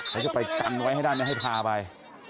เขาจะไปกันไว้ให้ได้ไม่ให้พาไป